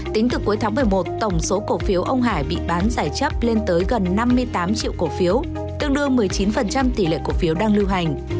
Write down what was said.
tính từ cuối tháng một mươi một tổng số cổ phiếu ông hải bị bán giải chấp lên tới gần năm mươi tám triệu cổ phiếu tương đương một mươi chín tỷ lệ cổ phiếu đang lưu hành